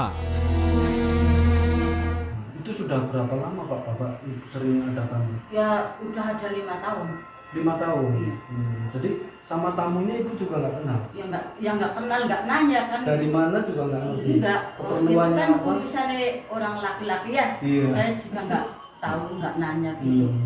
ketika berada di rumah seneh tidak menangka keji tersebut